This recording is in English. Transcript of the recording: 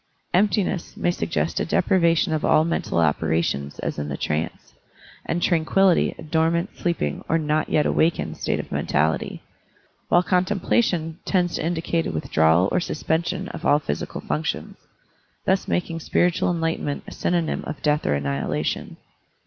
Emptiness" may suggest a deprivation of all mental operations as in the trance, and "tranquillity" a dormant, sleeping, or "not yet awakened" state of men tality, while "contemplation" tends to indicate a withdrawal or suspension of all psychical functions; thus making spiritual enlightenment a synonym of death or annihilation.